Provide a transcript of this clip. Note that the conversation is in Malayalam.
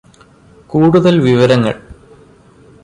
കൂടുതല് വിവരങ്ങള്